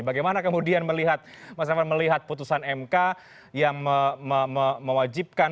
bagaimana kemudian melihat mas revan melihat putusan mk yang mewajibkan